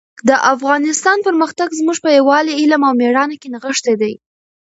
د افغانستان پرمختګ زموږ په یووالي، علم او مېړانه کې نغښتی دی.